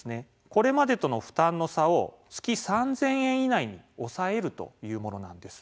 これまでとの負担の差を月３０００円以内に抑えるというものなんです。